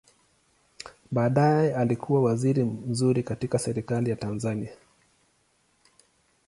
Baadaye alikua waziri mzuri katika Serikali ya Tanzania.